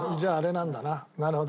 なるほど。